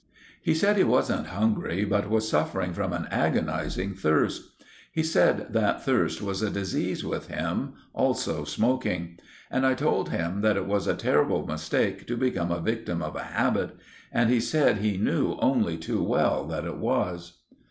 He said he wasn't hungry but was suffering from an agonizing thirst. He said that thirst was a disease with him, also smoking; and I told him that it was a terrible mistake to become the victim of a habit; and he said he knew only too well that it was.